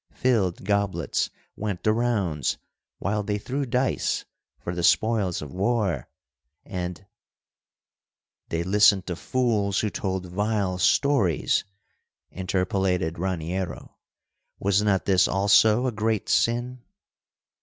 Filled goblets went the rounds while they threw dice for the spoils of war and——" "They listened to fools who told vile stories," interpolated Raniero. "Was not this also a great sin?"